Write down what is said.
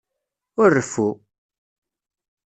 Ur reffu!